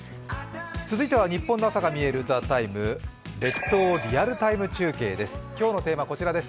続いてはニッポンの朝がみえる「ＴＨＥＴＩＭＥ，」「列島リアルＴＩＭＥ！中継」です。